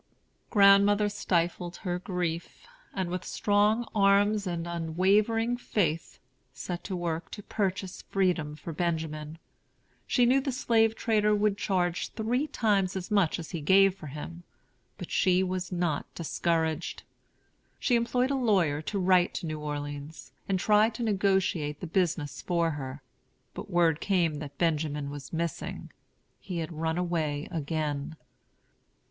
Grandmother stifled her grief, and with strong arms and unwavering faith set to work to purchase freedom for Benjamin. She knew the slave trader would charge three times as much as he gave for him; but she was not discouraged. She employed a lawyer to write to New Orleans, and try to negotiate the business for her. But word came that Benjamin was missing; he had run away again.